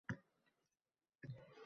Bu, e’tibor qozonish uchun judayam muhim.